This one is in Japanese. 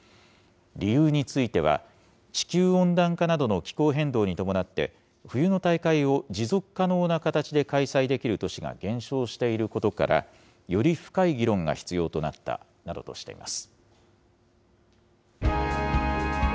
理由については、地球温暖化などの気候変動に伴って、冬の大会を持続可能な形で開催できる都市が減少していることから、より深い議論が必要となったなどとしています。